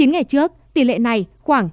chín ngày trước tỷ lệ này khoảng năm mươi năm sáu